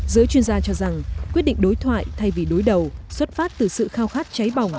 giới chuyên gia cho rằng quyết định đối thoại thay vì đối đầu xuất phát từ sự khao khát cháy bỏng